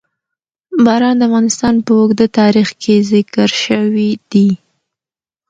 باران د افغانستان په اوږده تاریخ کې ذکر شوي دي.